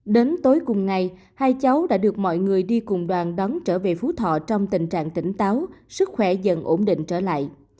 đến tối cùng ngày hai cháu đã được mọi người đi cùng đoàn đón trở về phú thọ trong tình trạng tỉnh táo sức khỏe dần ổn định trở lại